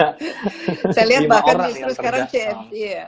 saya lihat bahkan justru sekarang cfd ya